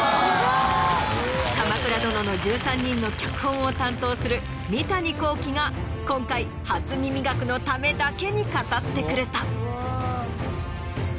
『鎌倉殿の１３人』の脚本を担当する三谷幸喜が今回『初耳学』のためだけに語ってくれた。